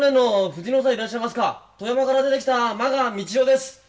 富山から出てきた満賀道雄です。